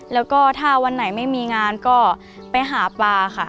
แล้วก็ถ้าวันไหนไม่มีงานก็ไปหาปลาค่ะ